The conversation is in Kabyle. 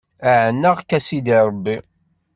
Ɛennaɣ-k a sidi Ṛebbi.